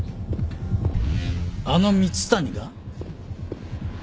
あの蜜谷が？